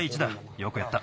よくやった。